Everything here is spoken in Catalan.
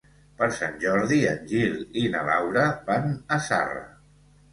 Per Sant Jordi en Gil i na Laura van a Zarra.